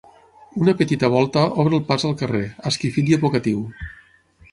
Una petita volta obre el pas al carrer, esquifit i evocatiu.